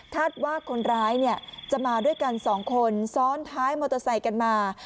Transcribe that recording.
คาดว่าคนร้ายจะมาด้วยกันสองคนซ้อนท้ายมอเตอร์ไซค์กันมา